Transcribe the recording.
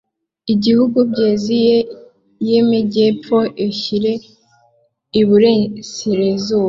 Igihugu by’Eziye y’emejyepfo eshyire iburesirezube